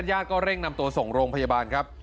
ญาติก็เร่งนำตัวส่งโรงพยาบาลครับ